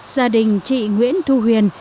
gia đình chị nguyễn thu huyền